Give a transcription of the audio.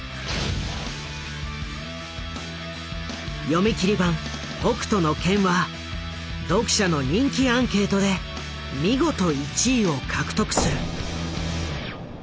読み切り版「北斗の拳」は読者の人気アンケートで見事１位を獲得する。